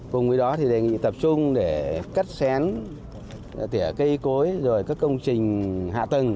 cùng với đó đề nghị tập trung để cắt xén tỉa cây cối các công trình hạ tầng